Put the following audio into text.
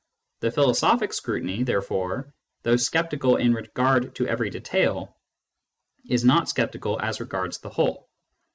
The philo sophic scrutiny, therefore, though sceptical in regard to every detail, is not sceptical as regards the whole.